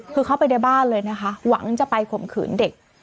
คือเข้าไปในบ้านเลยนะคะหวังจะไปข่มขืนเด็ก